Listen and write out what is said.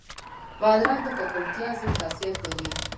بادرنګ د ککړتیا ضد خاصیت لري.